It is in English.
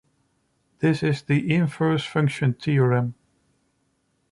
This is the inverse function theorem.